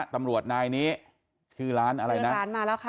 ตำรวจนายนี้ชื่อร้านอะไรนะร้านมาแล้วค่ะ